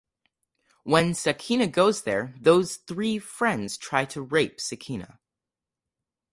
When Sakina goes there those three friends try to rape Sakina.